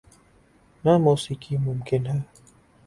نہ موسیقی ممکن ہے۔